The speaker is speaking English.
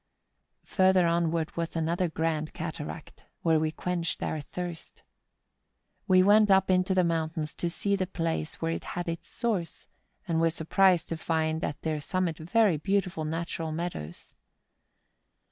Further onward was another grand cataract, where we quenched our thirst. We went up into the moun¬ tains to see the place where it had its source, and were surprised to find at their summit very beautiful natural meadows.